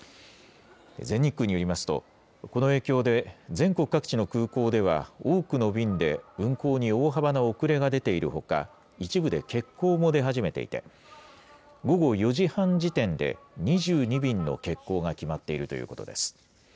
全日空によりますと、この影響で、全国各地の空港では、多くの便で運航に大幅な遅れが出ているほか、一部で欠航も出始めていて、午後４時半時点で、２２便の欠航が決まっているということです。